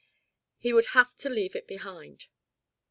He would have to leave it behind.